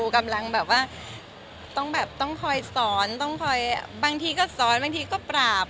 กำลังแบบว่าต้องแบบต้องคอยสอนต้องคอยบางทีก็สอนบางทีก็ปราบ